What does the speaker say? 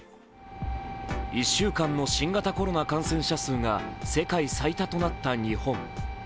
１週間の新型コロナ感染者数が世界最多となった日本。